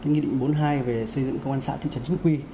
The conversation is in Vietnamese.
nghị định bốn mươi hai về xây dựng công an xã thị trấn chính quy